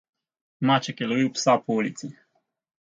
Maček je lovil psa po ulici.